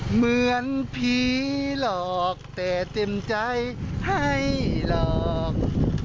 เหมือนผีหลอกแต่เต็มใจให้หลอก